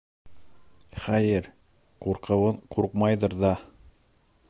Хәйер, ҡурҡыуын ҡурҡмайҙыр ҙа.